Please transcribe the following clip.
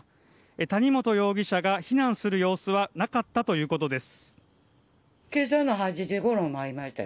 谷本容疑者が避難する様子はなかったということです。